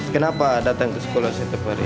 kenapa datang ke sekolah setiap hari